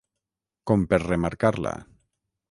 Com per remarcar-la.